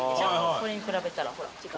それに比べたらほらっ